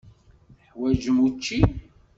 Teḥwaǧem učči?